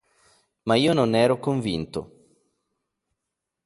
Ma io non ne ero convinto.